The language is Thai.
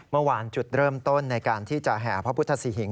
เมื่อวานจุดเริ่มต้นในการที่จะแห่พระพุทธศรีหิง